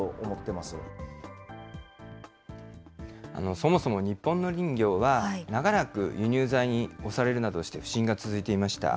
そもそも日本の林業は、長らく輸入材に押されるなどして不振が続いていました。